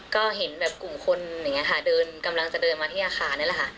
ก็เห็นกลุ่มคนกำลังจะเดินมาที่อาคารนั่นแหละค่ะ